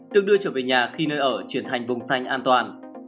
được đưa trở về nhà khi nơi ở chuyển thành vùng xanh an toàn